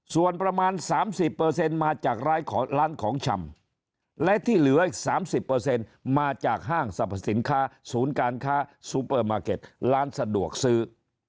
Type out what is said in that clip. ส่วนประมาณ๓๐มาจากร้านของชำและที่เหลืออีก๓๐มาจากห้างสรรพสินค้าศูนย์การค้าซูเปอร์มาร์เก็ตร้านสะดวกซื้อ